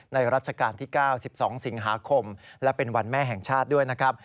รัชกาลที่๙๑๒สิงหาคมและเป็นวันแม่แห่งชาติด้วยนะครับ